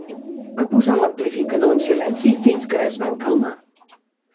Va posar l'amplificador en silenci fins que es van calmar.